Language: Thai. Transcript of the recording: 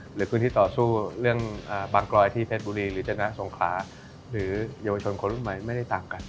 หรือพื้นที่ต่อสู้เรื่องบางกรอยที่เพชรบุรีหรือจนะสงขลาหรือเยาวชนคนรุ่นใหม่ไม่ได้ต่างกัน